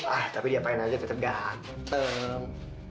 ah tapi dia pengen aja tetep ganteng